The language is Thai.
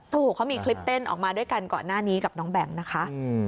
ถูกเขามีคลิปเต้นออกมาด้วยกันก่อนหน้านี้กับน้องแบมนะคะ